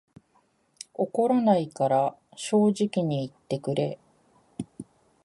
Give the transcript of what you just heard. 怒らないから正直に言ってくれ